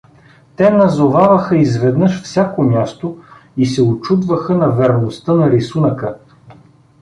Те назоваваха изведнаж всяко място и се очудваха на верността на рисунъка.